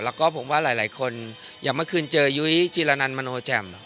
แล้วก็ผมว่าหลายคนอย่างเมื่อคืนเจอยุ้ยจีรนันมโนแจ่ม